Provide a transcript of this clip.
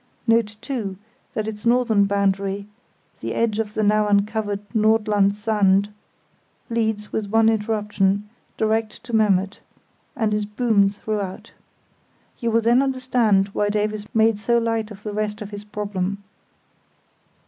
Note, too, that its northern boundary, the edge of the now uncovered Nordland Sand, leads, with one interruption (marked A), direct to Memmert, and is boomed throughout. You will then understand why Davies made so light of the rest of his problem.